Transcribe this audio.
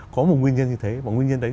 có một nguyên nhân như thế và nguyên nhân đấy